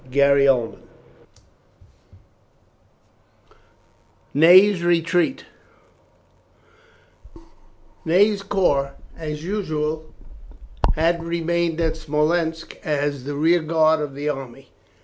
CHAPTER XIV NEY'S RETREAT Ney's corps, as usual, had remained at Smolensk as the rear guard of the army.